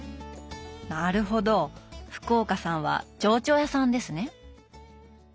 なるほど福岡さんはチョウチョ屋さんですね。